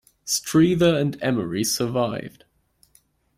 Streather and Emery survived.